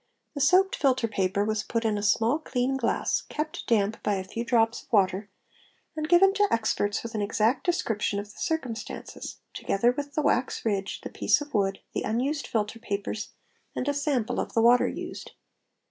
The soaked filter paper was put in a small clean glass, kept damp by a "few drops of water, and given to experts with an exact description of the circumstances, together with the wax ridge, the piece of wood, the "unused filter papers, and a sample of the water used.